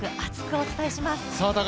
お伝えします。